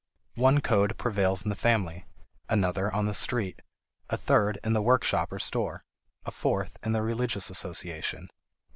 One code prevails in the family; another, on the street; a third, in the workshop or store; a fourth, in the religious association.